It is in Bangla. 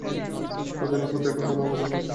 কতদিন পর দেখা হলো আমাদের?